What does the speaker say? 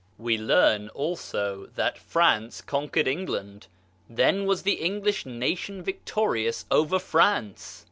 We learn also that France conquered England ; then was the English Nation victorious over France!